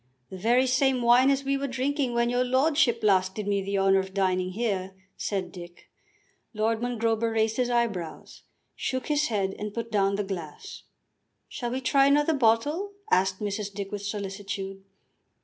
"The very same wine as we were drinking when your lordship last did me the honour of dining here," said Dick. Lord Mongrober raised his eyebrows, shook his head and put down the glass. "Shall we try another bottle?" asked Mrs. Dick with solicitude.